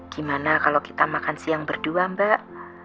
gimana kalau kita makan siang berdua mbak